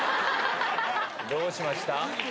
どうしました？